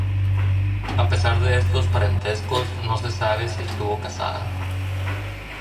A pesar de estos parentescos, no se sabe si estuvo casada.